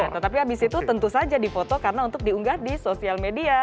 tetapi habis itu tentu saja di foto karena untuk diunggah di sosial media